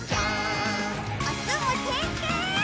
おつむてんてん！